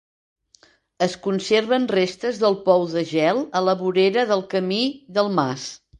Es conserven restes del pou de gel a la vorera del camí del mas.